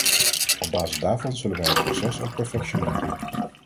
Op basis daarvan zullen wij het proces ook perfectioneren.